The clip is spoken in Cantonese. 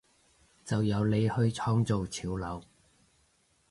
就由你去創造潮流！